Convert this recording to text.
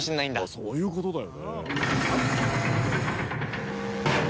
そういうことだよね。